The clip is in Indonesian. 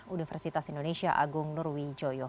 universitas indonesia agung nurwi joyo